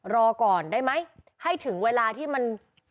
รอก่อนได้ไหมให้ถึงเวลาที่มัน